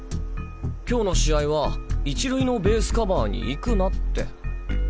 今日の試合は１塁のベースカバーに行くなって。